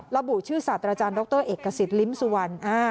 ระบุชื่อศาสตราจารย์ดรเอกสิทธิ์ลิ้มสุวรรณ